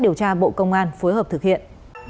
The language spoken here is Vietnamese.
điều tra bộ công an phối hợp thực hiện